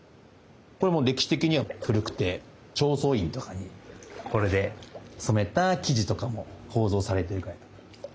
これも歴史的には古くて正倉院とかにこれで染めた生地とかも宝蔵されているぐらい。